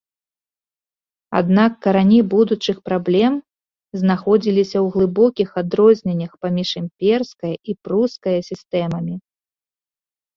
Аднак карані будучых праблем знаходзіліся ў глыбокіх адрозненнях паміж імперскае і прускае сістэмамі.